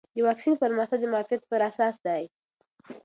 د واکسین پرمختګ د معافیت پر اساس دی.